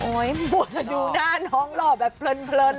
โอ๊ยดูหน้าน้องหล่อแบบเพลินเลย